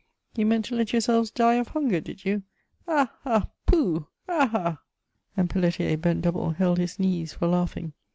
You meant to let yourselves die of hunger, did you ? Ah, ah ! pooh !— ah» ah !" and Pelletier, bent dou ble, held his knees for laughing.